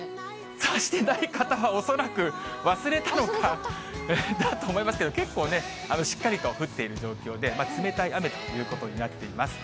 差してない方は、恐らく、忘れたのか、だと思いますけど、結構ね、しっかりと降っている状況で、冷たい雨ということになっています。